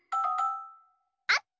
あった！